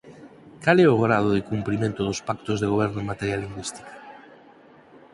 Cal é o grado de cumprimento dos pactos de goberno en materia lingüística?